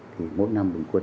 thì mỗi năm bình quân